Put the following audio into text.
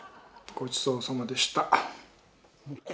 ごちそうさまでした。